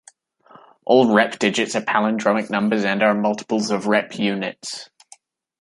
All repdigits are palindromic numbers and are multiples of repunits.